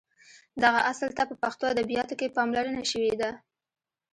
دغه اصل ته په پښتو ادبیاتو کې پاملرنه شوې ده.